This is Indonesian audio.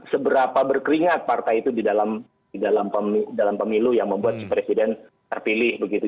seberapa berkeringat partai itu di dalam di dalam pemilu yang membuat presiden terpilih begitu